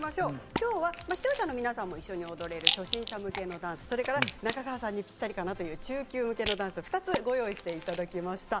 きょうは視聴者の皆さんも一緒に踊れる初心者向けのダンスそして中川さんにぴったりかなという中級向けのダンス２つご用意していただきました。